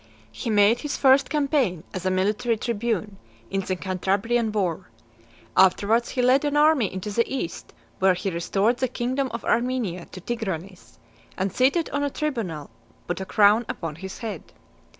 IX. He made his first campaign, as a military tribune, in the Cantabrian war . Afterwards he led an army into the East , where he restored the kingdom of Armenia to Tigranes; and seated on a tribunal, put a crown upon his head.